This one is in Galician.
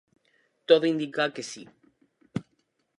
Todo indica que si.